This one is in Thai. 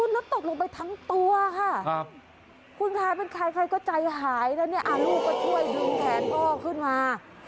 แล้วตกลงไปทั้งตัวค่ะคุณคะเป็นใครใครก็ใจหายแล้วเนี่ยลูกก็ช่วยดึงแขนพ่อขึ้นมา